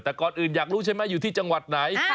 แต่ก่อนอื่นอยากรู้ใช่ไหมอยู่ที่จังหวัดไหน